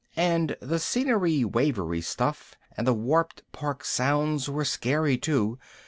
And the scenery wavery stuff and the warped Park sounds were scary too.